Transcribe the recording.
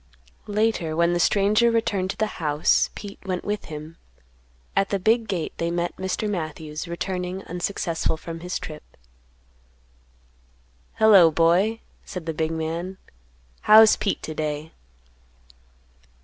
Later when the stranger returned to the house, Pete went with him; at the big gate they met Mr. Matthews, returning unsuccessful from his trip. "Hello, boy!" said the big man; "How's Pete to day?"